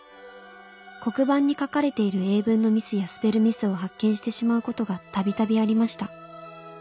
黒板に書かれている英文のミスやスペルミスを発見してしまうことがたびたびありました。